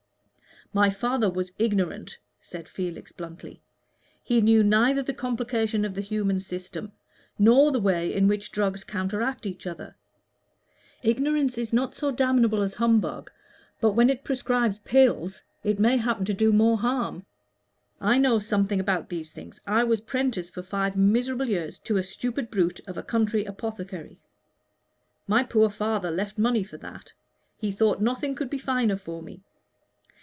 "My father was ignorant," said Felix, bluntly. "He knew neither the complication of the human system, nor the way in which drugs counteract each other. Ignorance is not so damnable as humbug, but when it prescribes pills it may happen to do more harm. I know something about these things. I was 'prentice for five miserable years to a stupid brute of a country apothecary my poor father left money for that he thought nothing could be finer for me.